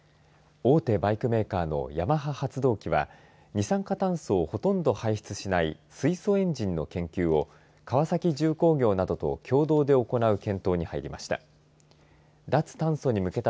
大手バイクメーカーのヤマハ発動機は二酸化炭素をほとんど排出しない水素エンジンの研究を川崎重工業などと共同で行う検討に入りました。